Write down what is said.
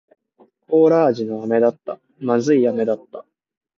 コーラ味の飴だった。不味い飴だった。